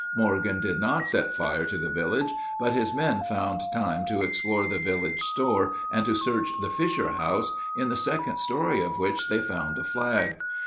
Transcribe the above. Morgan did not set fire to the village, but his men found time to explore the village store, and to search the Fisher house, in the second story of which they found a flag.